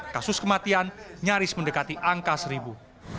kasus kematian nyaris mendekati angka seribu